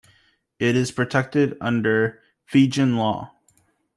It is protected under Fijian law.